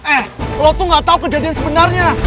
eh lo tuh gak tau kejadian sebenarnya